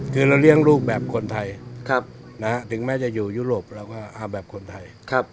คือเราเลี้ยงลูกแบบคนไทยถึงแม้จะอยู่ยุโรปเราก็เอาแบบคนไทย